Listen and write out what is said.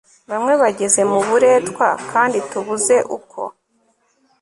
bamwe bageze mu buretwa kandi tubuze uko